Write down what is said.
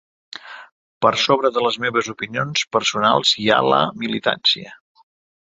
Per sobre de les meves opinions personals hi ha la militància.